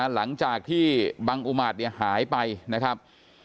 หลังจากที่บังอุมาตหายไปนะครับ